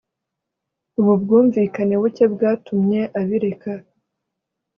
ubu bwumvikane buke bwatumye abireka